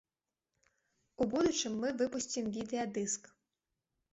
У будучым мы выпусцім відэа-дыск.